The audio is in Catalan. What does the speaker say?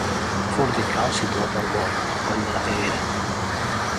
Forn de calç situat a Bor, al Coll de la Peguera.